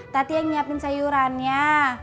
tati yang nyiapin sayurannya